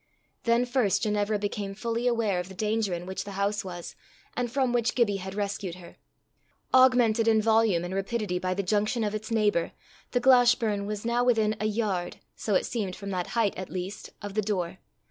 Then first Ginevra became fully aware of the danger in which the house was, and from which Gibbie had rescued her. Augmented in volume and rapidity by the junction of its neighbour, the Glashburn was now within a yard so it seemed from that height at least of the door.